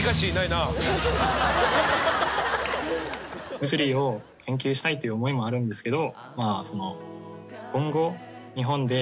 物理を研究したいという思いもあるんですけど。